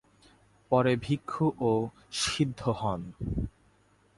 পরে ভিক্ষু ও সিদ্ধ হন।